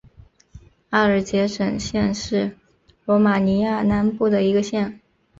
阿尔杰什县是罗马尼亚南部的一个县。